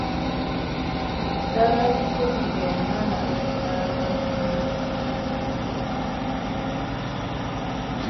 Nnabanfudu ge yamala Nnababbubi.